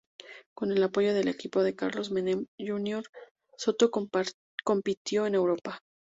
Con el apoyo del equipo de Carlos Menem Jr., Soto compitió en Europa.